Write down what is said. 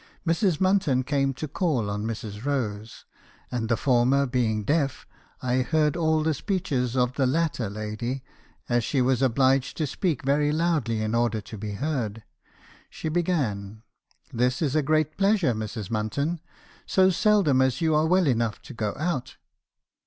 Mrs. Munton came to call on Mrs. Rose; and the former being deaf, I heard all the speeches of the latter lady, MR. HARRISONS CONFESSIONS. 293 as she was obliged to speak very loud in order to be heard. She began: — "'This is a great pleasure, Mrs. Munton; so seldom as you are well enough to go out.'